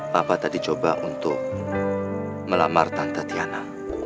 papa tadi coba untuk melamar tante tiana